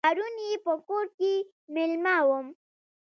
پرون یې په کور کې مېلمه وم.